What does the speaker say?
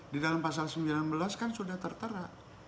di dalam pasal sembilan belas kan sudah tertera